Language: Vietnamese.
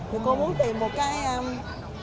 thì cô muốn tìm một cái đơn vị